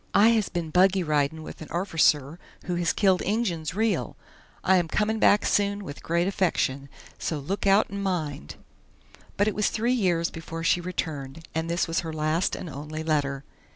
I has been buggy ridin' with an orficer who has killed injuns real! I am comin' back soon with grate affeckshun, so luke out and mind." But it was three years before she returned, and this was her last and only letter.